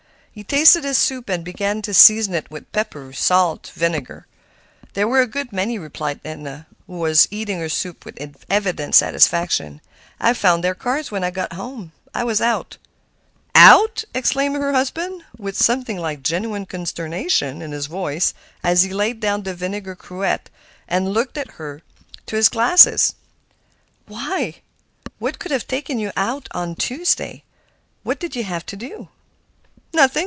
He tasted his soup and began to season it with pepper, salt, vinegar, mustard—everything within reach. "There were a good many," replied Edna, who was eating her soup with evident satisfaction. "I found their cards when I got home; I was out." "Out!" exclaimed her husband, with something like genuine consternation in his voice as he laid down the vinegar cruet and looked at her through his glasses. "Why, what could have taken you out on Tuesday? What did you have to do?" "Nothing.